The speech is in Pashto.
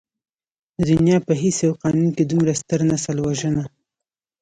د دنيا په هېڅ يو قانون کې دومره ستر نسل وژنه.